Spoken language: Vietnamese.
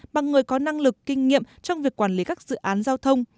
bằng người có năng lực kinh nghiệm trong việc quản lý các dự án giao thông